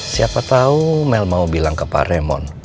siapa tahu mel mau bilang ke pak raymond